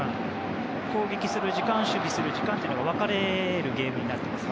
攻撃する時間、守備する時間が分かれるゲームになってます。